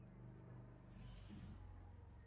Es la más normal de todas, aunque es algo temperamental.